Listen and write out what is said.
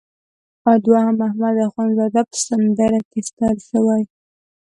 دوهم احمد اخوندزاده په سندره کې ستایل شوی.